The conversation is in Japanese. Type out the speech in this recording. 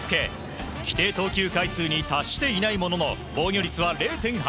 規定投球回数に達していないものの防御率は０．８２。